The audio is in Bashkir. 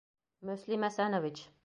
Мөслим Әсәнович!..